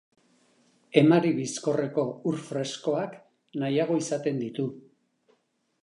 Emari bizkorreko ur freskoak nahiago izaten ditu.